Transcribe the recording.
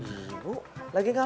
ibu lagi gak kejar